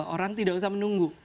orang tidak usah menunggu